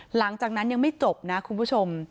หลังจากนั้นยังไม่จบนะคุณผู้ชม